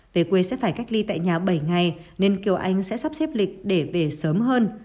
về quê sẽ phải cách ly tại nhà bảy ngày nên kiều anh sẽ sắp xếp lịch để về sớm hơn